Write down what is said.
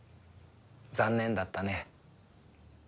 残念だったね。